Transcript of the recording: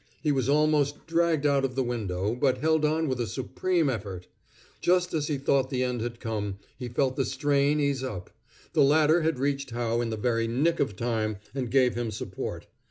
He was almost dragged out of the window, but held on with a supreme effort. Just as he thought the end had come, he felt the strain ease up. The ladder had reached Howe in the very nick of time, and given him support.